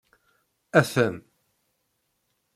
Atan.